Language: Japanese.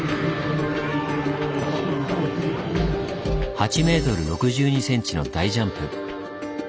８ｍ６２ｃｍの大ジャンプ。